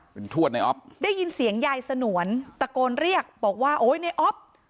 เป็นทวดในออฟได้ยินเสียงยายสนวนตะโกนเรียกบอกว่าโอ้ยในอ๊อฟ